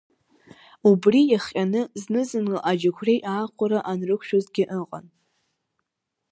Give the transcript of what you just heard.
Убри иахҟьаны зны-зынла аџьықәреи аахәара анрықәшәозгьы ыҟан.